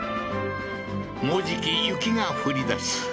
もうじき雪が降りだし